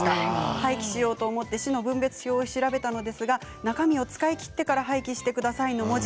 廃棄しようと思って市の分別を調べたのですが中身を使い切ってから廃棄してくださいの文字。